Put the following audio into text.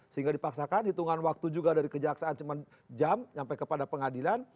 sehingga dipaksakan hitungan waktu juga dari kejaksaan cuma jam sampai kepada pengadilan